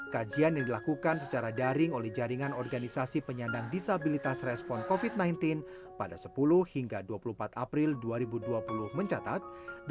kajian yang dilakukan secara daring oleh jaringan organisasi penyandang disabilitas respon covid sembilan belas pada sepuluh hingga dua puluh empat april dua ribu dua puluh mencatat